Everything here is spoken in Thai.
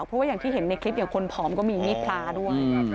เพราะว่าอย่างที่เห็นในคลิปคนผอมก็มีมีดพระด้วย